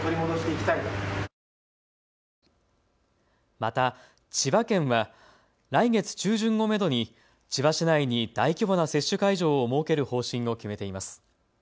また、千葉県は来月中旬をめどに千葉市内に大規模な接種会場を設ける方針を決めています。